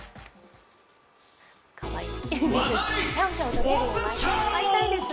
かわいい。